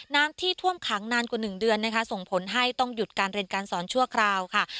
น้ำที่ท่วมขังนานกว่า๑เดือนนะคะส่งผลให้ต้องหยุดการเรียนการสอนชั่วคราวค่ะ